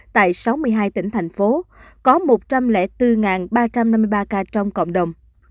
tại sáu mươi hai tỉnh thành phố có một trăm linh bốn ba trăm năm mươi ba ca trong cộng đồng